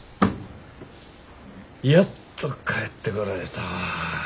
やっと帰ってこられたわ。